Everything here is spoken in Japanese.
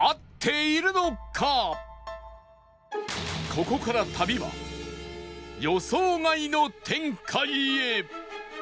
ここから旅は予想外の展開へ！